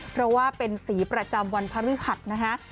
เพราะว่าเป็นสีประจำวันพระฤหัสนะคะ